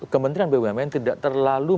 kementerian bumn tidak terlalu